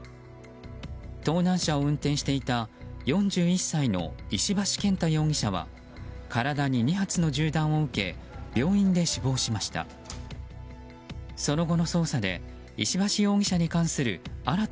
盗難車を運転していた４１歳の石橋健太容疑者は体に２発の銃弾を受け病院で死亡しました。